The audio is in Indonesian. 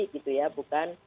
gitu ya bukan